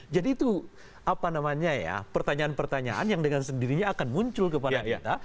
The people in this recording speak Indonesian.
jadi itu apa namanya ya pertanyaan pertanyaan yang dengan sendirinya akan muncul kepada kita